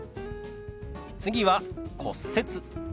次は「骨折」。